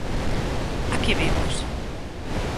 A que vimos?